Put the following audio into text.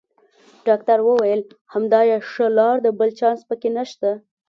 ډاکټر وویل: همدا یې ښه لار ده، بل چانس پکې نشته.